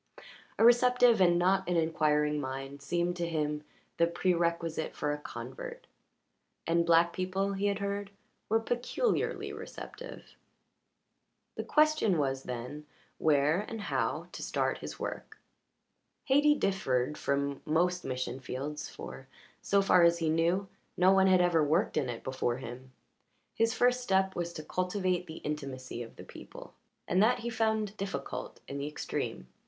A receptive and not an inquiring mind seemed to him the prerequisite for a convert. And black people, he had heard, were peculiarly receptive. The question was, then, where and how to start his work. Hayti differed from most mission fields, for, so far as he knew, no one had ever worked in it before him. The first step was to cultivate the intimacy of the people, and that he found difficult in the extreme.